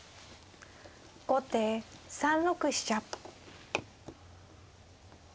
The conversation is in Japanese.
後手３六飛車。